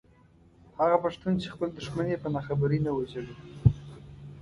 هغه پښتون چې خپل دښمن يې په ناخبرۍ نه وژلو.